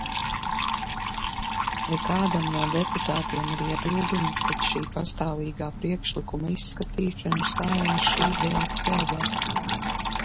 Vai kādam no deputātiem ir iebildumi pret šī patstāvīgā priekšlikuma izskatīšanu Saeimas šīsdienas sēdē?